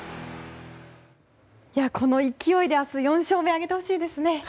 この勢いで明日４勝目挙げてほしいですね。